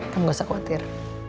kamu gak usah khawatir